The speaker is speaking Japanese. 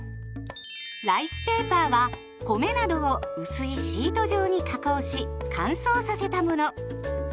ライスペーパーは米などを薄いシート状に加工し乾燥させたもの。